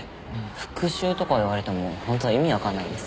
復讐とか言われても本当意味わかんないです。